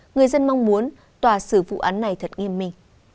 người dân mong muốn tòa xử vụ án này thật nghiêm minh